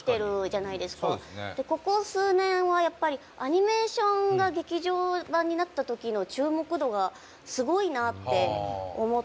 ここ数年は、やっぱりアニメーションが劇場版になった時の注目度がすごいなって思っていて。